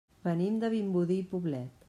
Venim de Vimbodí i Poblet.